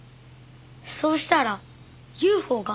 そうしたらＵＦＯが。